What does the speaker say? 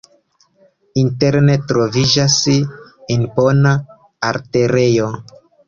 Interne troviĝas impona altarejo.